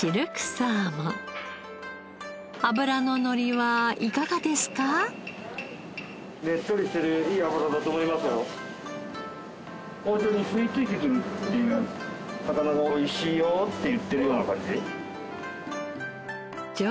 魚が「おいしいよ」って言ってるような感じ。